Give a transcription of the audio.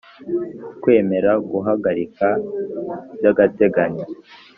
Kwemera guhagarika by agateganyo